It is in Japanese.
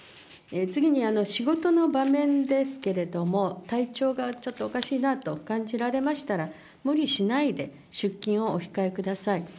次に、仕事の場面ですけれども、体調がちょっとおかしいなと感じられましたら、無理しないで、出勤をお控えください。